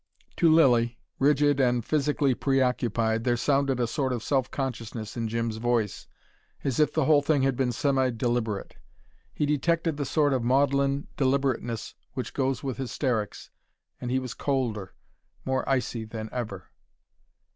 To Lilly, rigid and physically preoccupied, there sounded a sort of self consciousness in Jim's voice, as if the whole thing had been semi deliberate. He detected the sort of maudlin deliberateness which goes with hysterics, and he was colder, more icy than ever.